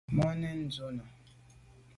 Màa nèn ndù’ nà.